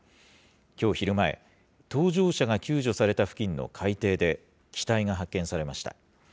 きょう昼前、搭乗者が救助された付近の海底で、機体が発見されました。